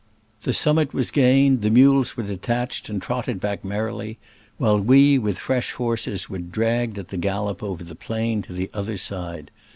The summit was gained, the mules were detached and trotted back merri ly, while we, with fresh horses, were dragged at the gal lop over the plain to the other side.